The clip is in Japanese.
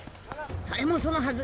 それもそのはず。